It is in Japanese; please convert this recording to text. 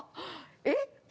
えっ？